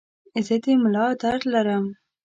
زه د ملا درد لرم.